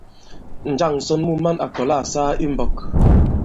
Njâŋ ǹsɔn mu man à kɔ̀la à saa i mbɔk?